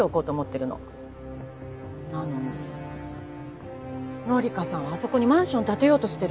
なのに紀香さんはあそこにマンションを建てようとしてる。